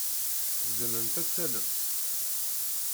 Tzemremt ad d-tallemt?